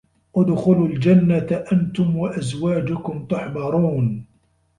ادخُلُوا الجَنَّةَ أَنتُم وَأَزواجُكُم تُحبَرونَ